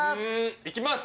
いきます！